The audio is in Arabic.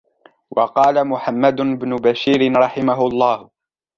وَقَالَ مُحَمَّدُ بْنُ بَشِيرٍ رَحِمَهُ اللَّهُ